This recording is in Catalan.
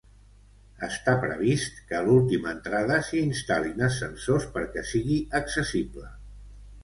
Està previst que a l'última entrada s'hi instal·lin ascensors perquè sigui accessible.